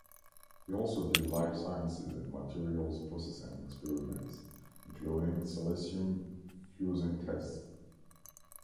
He also did life sciences and materials processing experiments, including silicium fusing tests.